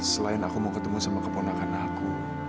selain aku mau ketemu sama keponakan aku